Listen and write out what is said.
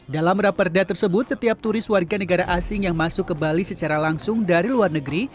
dalam raperda tersebut setiap turis warga negara asing yang masuk ke bali secara langsung dari luar negeri